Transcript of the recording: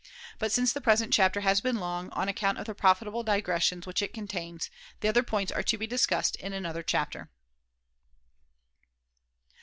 But since the present chapter has been long, on account of the profitable digressions which it contains, the other points are to be discussed in another chapter, 5 f.